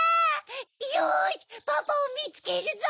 よしパパをみつけるぞ！